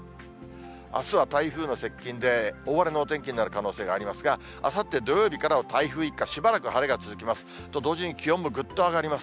あすは台風の接近で大荒れのお天気になる可能性がありますが、あさって土曜日からは台風一過、しばらく晴れが続きます。